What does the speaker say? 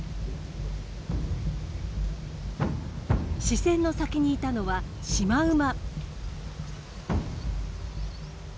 視線の先にいたのはシマウマ。